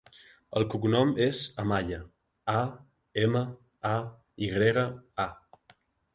El cognom és Amaya: a, ema, a, i grega, a.